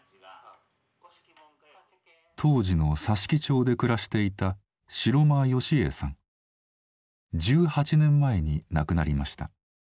当時の佐敷町で暮らしていた１８年前に亡くなりました。